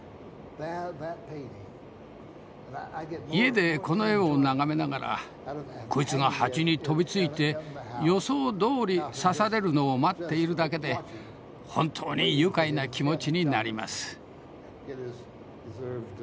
家でこの絵を眺めながらこいつが蜂に飛びついて予想どおり刺されるのを待っているだけで本当に愉快な気持ちになります。